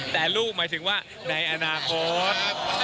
แต่ลูกหมายถึงว่าในอนาคต